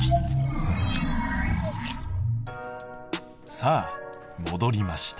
さあもどりました。